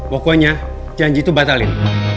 pokoknya janji tuh batalin